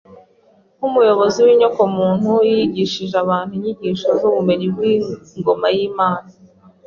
Nk’umuyobozi w’inyokomuntu, yigishije abantu inyigisho z’ubumenyi bw’ingoma y’Imana